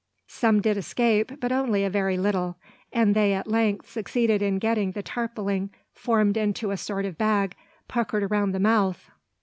Some did escape, but only a very little; and they at length succeeded in getting the tarpauling formed into a sort of bag, puckered around the mouth.